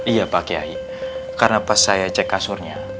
iya pak kiai karena pas saya cek kasurnya